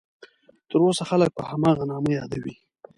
تر اوسه خلک په هماغه نامه یادوي.